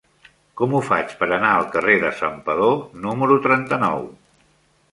Com ho faig per anar al carrer de Santpedor número trenta-nou?